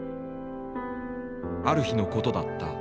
ある日のことだった。